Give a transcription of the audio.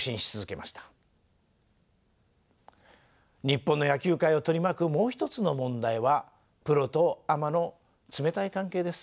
日本の野球界を取り巻くもう一つの問題はプロとアマの冷たい関係です。